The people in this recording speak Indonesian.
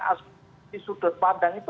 aspirasi sudut pandang itu